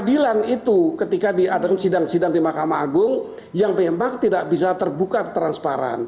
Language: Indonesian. adilan itu ketika diadakan sidang sidang di ma yang memang tidak bisa terbuka atau transparan